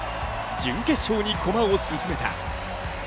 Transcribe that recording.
準決勝に駒を進めた。